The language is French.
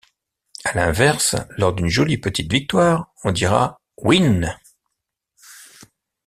À l’inverse, lors d’une jolie petite victoire, on dira « Win ».